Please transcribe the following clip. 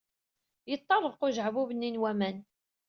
Yeṭṭerḍeq ujeɛbub-nni n waman.